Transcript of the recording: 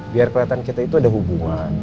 biar kelihatan kita itu ada hubungan